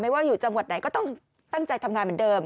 ว่าอยู่จังหวัดไหนก็ต้องตั้งใจทำงานเหมือนเดิม